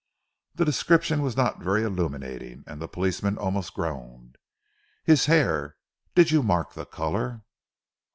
The description was not very illuminating, and the policeman almost groaned. "His hair? did you mark the colour?"